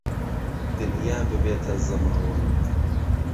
دنیا ببێته زهماوهند